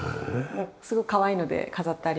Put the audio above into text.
すごくかわいいので飾ってあります。